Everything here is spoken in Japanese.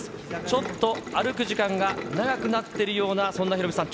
ちょっと歩く時間が長くなってるような、そんなヒロミさん。